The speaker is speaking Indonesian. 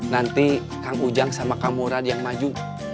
nanti kang ujang sama kang murad yang maju